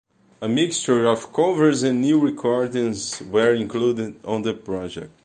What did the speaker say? A mixture of covers and new recordings were included on the project.